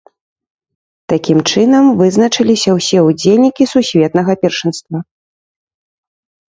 Такім чынам вызначыліся ўсе удзельнікі сусветнага першынства.